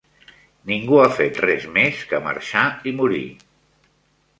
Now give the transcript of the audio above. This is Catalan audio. Ningú ha fet res més que marxar i morir.